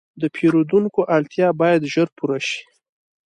د پیرودونکي اړتیا باید ژر پوره شي.